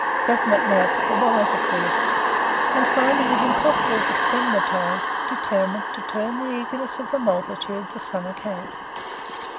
Government now took a wiser course, and finding it impossible to stem the torrent, determined to turn the eagerness of the multitude to some account.